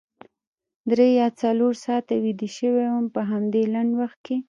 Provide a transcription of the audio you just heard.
درې یا څلور ساعته ویده شوې وم په همدې لنډ وخت کې.